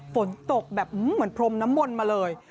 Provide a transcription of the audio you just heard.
ฝนตกแบบเหมือนพรมน้ำมนต์มาเลย